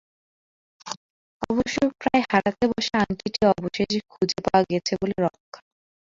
অবশ্য প্রায় হারাতে বসা আংটিটি অবশেষে খুঁজে পাওয়া গেছে বলে রক্ষা।